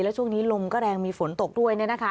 และช่วงนี้ลมก็แรงมีฝนตกด้วยเนี่ยนะคะ